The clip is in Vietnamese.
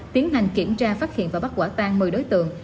tiến hành kiểm tra phát hiện và bắt quả tan một mươi đối tượng